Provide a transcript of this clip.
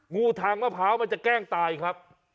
งูทางมะพร้าวมันจะแกล้งตายครับ